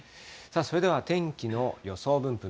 それでは天気の予想分布